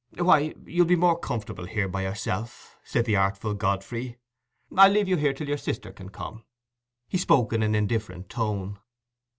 "Why, you'll be more comfortable here by yourself," said the artful Godfrey: "I'll leave you here till your sister can come." He spoke in an indifferent tone.